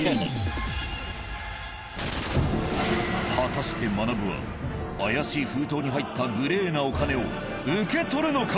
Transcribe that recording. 果たしてまなぶは怪しい封筒に入ったグレーなお金を受け取るのか？